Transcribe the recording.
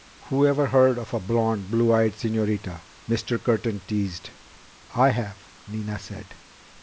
"Whoever heard of a blond, blue eyed señorita?" Mr. Curtin teased. "I have," Nina said.